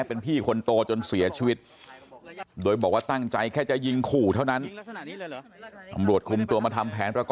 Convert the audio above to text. เป็นพี่คนโตจนเสียชีวิตโดยบอกว่าตั้งใจแค่จะยิงขู่เท่านั้น